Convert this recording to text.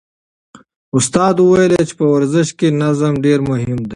استاد وویل چې په ورزش کې نظم ډېر مهم دی.